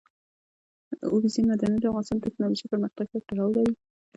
اوبزین معدنونه د افغانستان د تکنالوژۍ پرمختګ سره تړاو لري.